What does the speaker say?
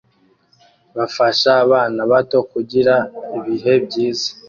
Bafasha abana bato kugira ibihe byiza